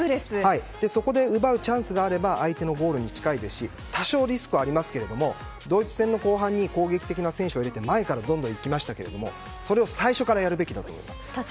そこで奪うチャンスがあれば相手のゴールに近いですし多少リスクはありますがドイツ戦の後半以降に攻撃的な選手を入れて前からどんどん行きましたけどそれを最初からやるべきだと思います。